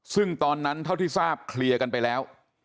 ซึ่งตอนนั้นเท่าที่ทราบเคลียร์กันไปแล้ว